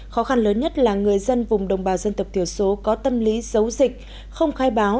khó khăn lớn nhất là người dân vùng đồng bào dân tộc thiểu số có tâm lý giấu dịch không khai báo